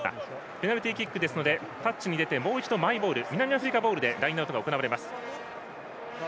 ペナルティーキックですのでタッチに出てもう一度マイボール南アフリカボールでラインアウトが行われます。